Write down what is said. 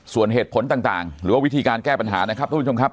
ส่วนเหตุผลต่างหรือว่าวิธีการแก้ปัญหานะครับทุกผู้ชมครับ